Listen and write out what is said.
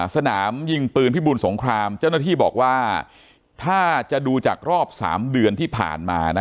สนามยิงปืนพิบูลสงครามเจ้าหน้าที่บอกว่าถ้าจะดูจากรอบ๓เดือนที่ผ่านมานะ